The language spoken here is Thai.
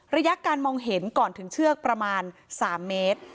ระยะการมองเห็นก่อนถึงเชือกประมาณ๓เมตร